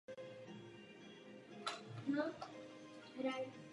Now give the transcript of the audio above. Günter reprezentoval Německo v mládežnických kategoriích.